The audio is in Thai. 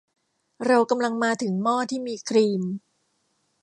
เรากำลังมาถึงหม้อที่มีครีม